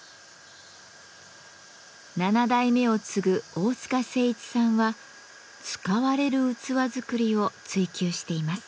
７代目を継ぐ大塚誠一さんは「使われる器」作りを追求しています。